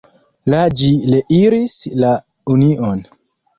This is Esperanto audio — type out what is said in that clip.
La ĝi reiris la Union.